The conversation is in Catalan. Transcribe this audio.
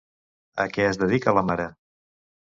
A què es dedica la mare?